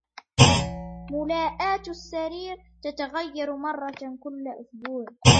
ملاءات السرير تتغير مرة كل أسبوع.